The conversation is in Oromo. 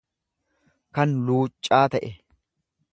kan luuccaa ta'e.